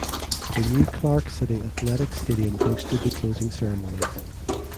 The New Clark City Athletics Stadium hosted the closing ceremonies.